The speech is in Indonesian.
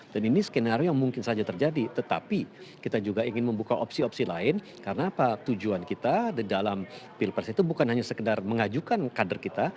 dan ini skenario yang mungkin saja terjadi tetapi kita juga ingin membuka opsi opsi lain karena tujuan kita di dalam pilpres itu bukan hanya sekedar mengajukan kader kita